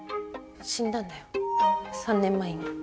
死んだんだよ３年前に。